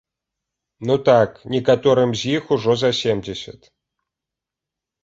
Ну так, некаторым з іх ужо за семдзесят!